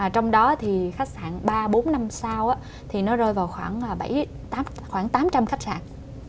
trong đó thì khách sạn ba bốn năm sao thì nó rơi vào khoảng tám trăm linh khách sạn